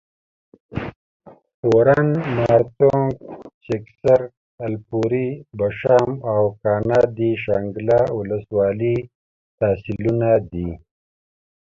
پورڼ، مارتونګ، چکېسر، الپورۍ، بشام او کاڼا د شانګله اولس والۍ تحصیلونه دي